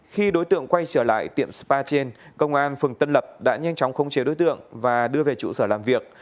khi đối tượng quay trở lại tiệm spa trên công an phường tân lập đã nhanh chóng khống chế đối tượng và đưa về trụ sở làm việc